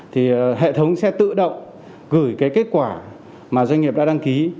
thì hệ thống sẽ tự động gửi cái kết quả mà doanh nghiệp đã đăng ký